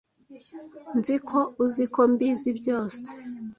Nzi ko uzi ko mbizi byose